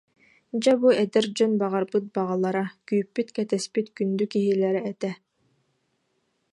Дьэ бу эдэр дьон баҕарбыт баҕалара, күүппүт-кэтэспит күндү киһилэрэ этэ